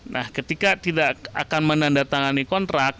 nah ketika tidak akan menandatangani kontrak